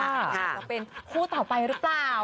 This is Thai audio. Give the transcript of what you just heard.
เธอก็คิดว่าเป็นคู่ต่อในแต่ได้รู้ป่าว